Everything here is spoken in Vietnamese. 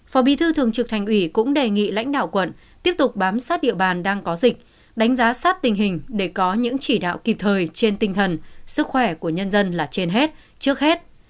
phó bí thư thường trực thành ủy cũng đề nghị lãnh đạo quận tiếp tục bám sát địa bàn đang có dịch đánh giá sát tình hình để có những chỉ đạo kịp thời trên tinh thần sức khỏe của nhân dân là trên hết trước hết